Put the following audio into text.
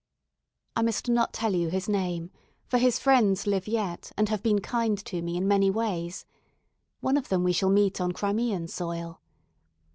I must not tell you his name, for his friends live yet, and have been kind to me in many ways. One of them we shall meet on Crimean soil.